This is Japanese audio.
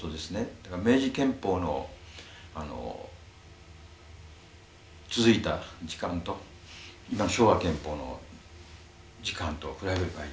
だから明治憲法のあの続いた時間と今の昭和憲法の時間と比べればいい。